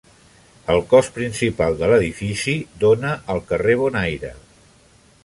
El cos principal de l'edifici dóna al carrer Bonaire.